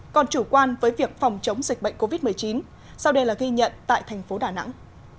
còn chủ quan với việc phòng chống dịch bệnh covid một mươi chín sau đây là ghi nhận tại thành phố đà nẵng